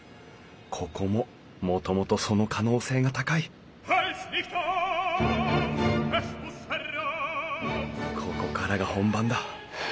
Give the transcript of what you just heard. ここももともとその可能性が高いここからが本番だ。